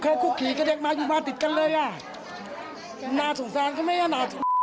น่าถูกฟังใช่ไหมน่าถูกฟัง